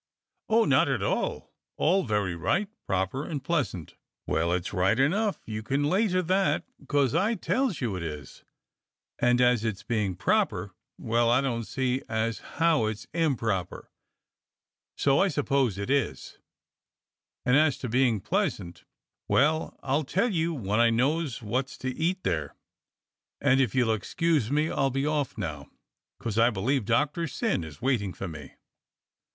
"Oh, not at all — all very right, proper, and pleasant." "W^ell, it's right enough, you can lay to that, 'cos I tells you it is, and as to its being proper, well, I don't see as how it's improper, so I suppose it is; and as to 96 DOCTOR SYN its being "pleasant, well, I'll tell you when I knows what's to eat there; and if you'll excuse me I'll be off now, 'cos I believe Doctor Syn is waiting for me."